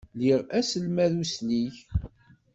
Liɣ aselmad uslig.